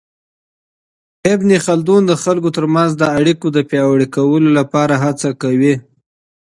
ابن خلدون د خلګو ترمنځ د اړیکو د پياوړي کولو لپاره هڅه کوي.